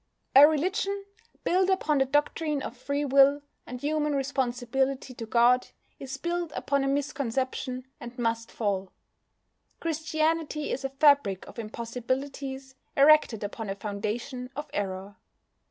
_ A religion built upon the doctrine of Free Will and human responsibility to God is built upon a misconception and must fall. Christianity is a fabric of impossibilities erected upon a foundation of error.